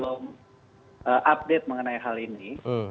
belum update mengenai hal ini